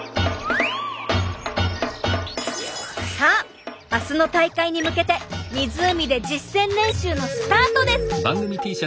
さあ明日の大会に向けて湖で実践練習のスタートです！